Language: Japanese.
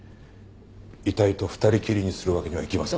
遺体と２人きりにするわけにはいきません。